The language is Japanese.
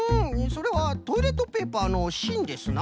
それはトイレットペーパーのしんですな。